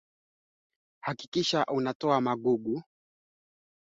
Kumeza matone kutoka kwa mnyama aliyeathirika huambukiza homa ya mapafu